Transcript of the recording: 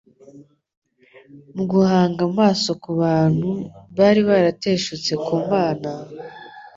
Mu guhanga amaso ku bantu, bari barateshutse ku Mana,